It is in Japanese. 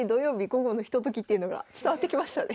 午後のひとときっていうのが伝わってきましたね。